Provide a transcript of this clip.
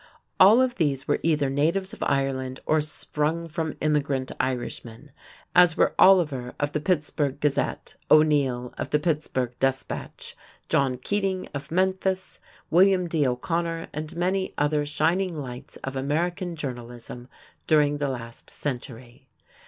All of these were either natives of Ireland or sprung from immigrant Irishmen, as were Oliver of the Pittsburgh Gazette, O'Neill of the Pittsburgh Despatch, John Keating of Memphis, William D. O'Connor, and many other shining lights of American journalism during the last century.